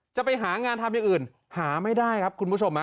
จะไปหางานทำอย่างอื่นหาไม่ได้ครับคุณผู้ชม